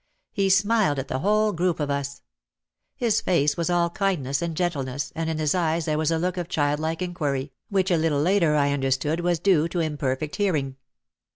He smiled at the whole group of us. His face was all kindness and gentleness and in his eyes there was a look of childlike inquiry which a little later I understood was due to im perfect hearing.